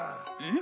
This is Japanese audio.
ん？